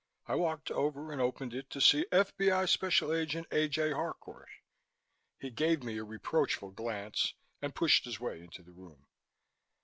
I walked over and opened it, to see F.B.I. Special Agent A. J. Harcourt. He gave me a reproachful glance and pushed his way into the room.